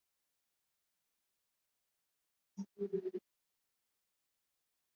Waziri wa zamani wa mambo ya ndani aliyetajwa na bunge kama waziri mkuu.